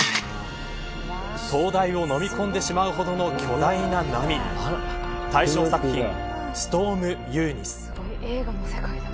灯台をのみ込んでしまうほどの巨大な波大賞作品、ストーム・ユーニス。